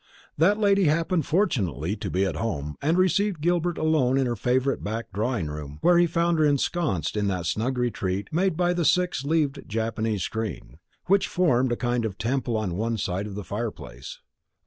That lady happened fortunately to be at home, and received Gilbert alone in her favourite back drawing room, where he found her ensconced in that snug retreat made by the six leaved Japanese screen, which formed a kind of temple on one side of the fire place.